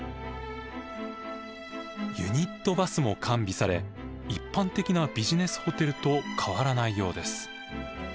ユニットバスも完備され一般的なビジネスホテルと変わらないようです。